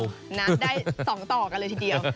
ได้สองตอกันเลยทีเดียว